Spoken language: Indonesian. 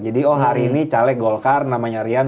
jadi oh hari ini caleg golkar namanya rian